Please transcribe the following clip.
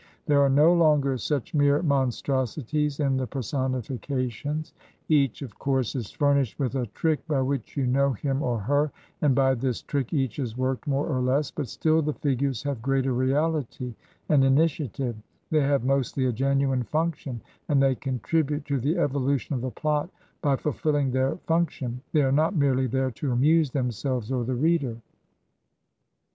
There are no longer such mere monstrosities in the personifications. Each, of course, is furnished with a trick by which you know him or her, and by this trick each is worked more or less, but still the figures have greater reahty and initiative; they have mostly a genuine function, and they contrib ute to the evolution of the plot by fulfilling their func tion; they are not merely there to amuse themselves or the reader.